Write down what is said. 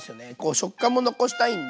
食感も残したいんで。